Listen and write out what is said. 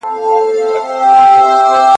پر نړۍ چي هر لوی نوم دی هغه ما دی زېږولی ,